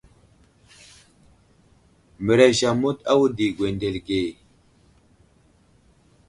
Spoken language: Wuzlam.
Mərez amət a wudo i gwendele age.